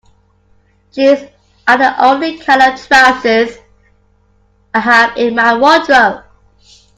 Jeans are the only kind of trousers I have in my wardrobe.